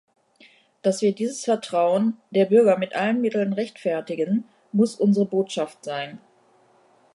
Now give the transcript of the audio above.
Dass wir dieses Vertrauen der Bürger mit allen Mitteln rechtfertigen, muss unsere Botschaft sein.